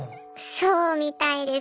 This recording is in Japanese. そうみたいです。